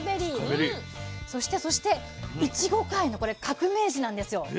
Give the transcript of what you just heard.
そしてそしていちご界のこれ革命児なんですよ。